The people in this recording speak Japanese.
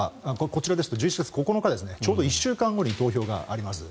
こちらですと１１月９日ちょうど１週間後に投票があります。